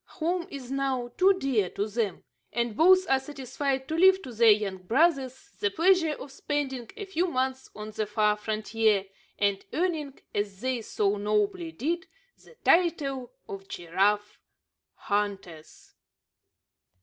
Home is now too dear to them; and both are satisfied to leave to their younger brothers the pleasure of spending a few months on the far frontier, and earning, as they so nobly did, the title of Giraffe Hunters.